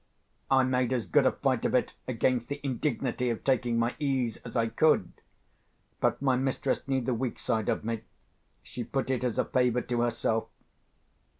I made as good a fight of it against the indignity of taking my ease as I could. But my mistress knew the weak side of me; she put it as a favour to herself.